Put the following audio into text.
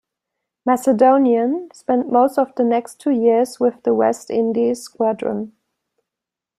"Macedonian" spent most of the next two years with the West Indies Squadron.